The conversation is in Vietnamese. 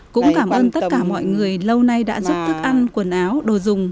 cũng cảm ơn tất cả mọi người lâu nay đã giúp thức ăn quần áo đồ dùng